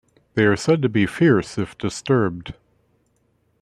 They are said to be fierce if disturbed.